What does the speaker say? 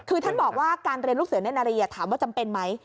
คือท่านบอกว่าการเรียนลูกเสือเน่นนารีถามว่าจำเป็นไหม